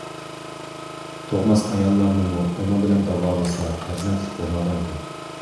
تۇغماس ئاياللارنىمۇ ئۇنىڭ بىلەن داۋالىسا، پەرزەنتلىك بولالايدۇ.